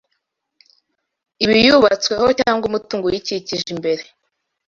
ibiyubatsweho cyangwa umutungo uyikikije imbere